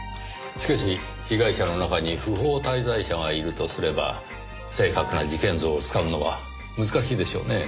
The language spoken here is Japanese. しかし被害者の中に不法滞在者がいるとすれば正確な事件像をつかむのは難しいでしょうねぇ。